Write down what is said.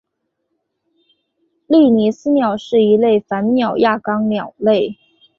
利尼斯鸟是一类反鸟亚纲鸟类。